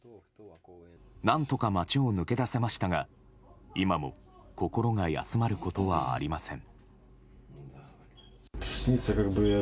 何とか街を抜け出せましたが今も、心が休まることはありません。